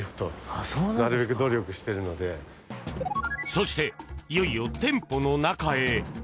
そして、いよいよ店舗の中へ。